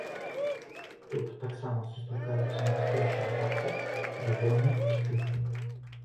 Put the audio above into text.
Тут таксама сустракаюцца марскія чарапахі, дзюгоні, кіты.